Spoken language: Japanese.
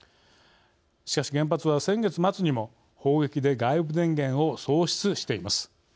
しかし、原発は先月末にも砲撃で外部電源を喪失しています。